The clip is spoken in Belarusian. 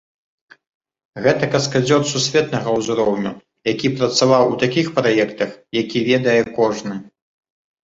Гэта каскадзёр сусветнага ўзроўню, які працаваў у такіх праектах, які ведае кожны.